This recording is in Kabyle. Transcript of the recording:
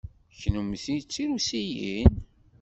Kennemti d tirusiyin?